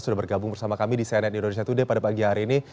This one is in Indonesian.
sudah bergabung bersama kami di cnn indonesia today pada pagi hari ini